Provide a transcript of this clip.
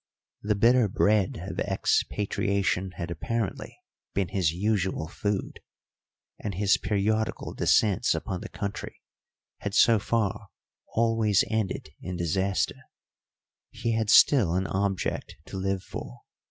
The bitter bread of expatriation had apparently been his usual food, and his periodical descents upon the country had so far always ended in disaster: he had still an object to live for.